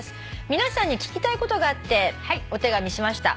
皆さんに聞きたいことがあってお手紙しました。